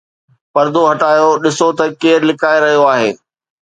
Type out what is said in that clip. پردو هٽايو، ڏسون ته ڪير لڪائي رهيو آهي؟